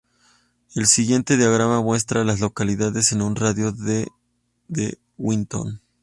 El siguiente diagrama muestra a las localidades en un radio de de Winton.